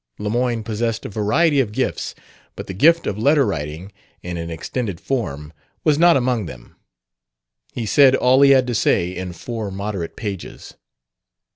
Lemoyne possessed a variety of gifts, but the gift of letter writing, in an extended form, was not among them. He said all he had to say in four moderate pages.